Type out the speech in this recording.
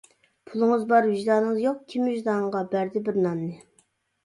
پۇلىڭىز بار ۋىجدانىڭىز يوق، كىم ۋىجدانغا بەردى بىر ناننى.